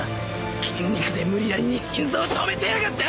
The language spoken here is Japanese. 筋肉で無理やりに心臓を止めてやがったなぁ！